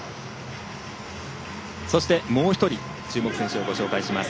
そして、もう１人注目選手をご紹介します。